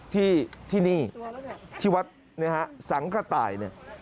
ที่ที่นี่ที่วัดเนี่ยฮะสังฆ์กระต่ายเนี่ย